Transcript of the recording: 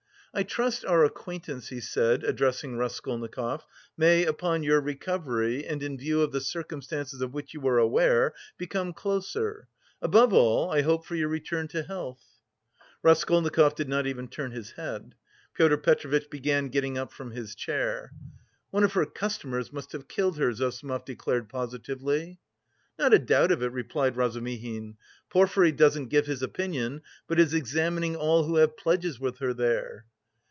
"I trust our acquaintance," he said, addressing Raskolnikov, "may, upon your recovery and in view of the circumstances of which you are aware, become closer... Above all, I hope for your return to health..." Raskolnikov did not even turn his head. Pyotr Petrovitch began getting up from his chair. "One of her customers must have killed her," Zossimov declared positively. "Not a doubt of it," replied Razumihin. "Porfiry doesn't give his opinion, but is examining all who have left pledges with her there."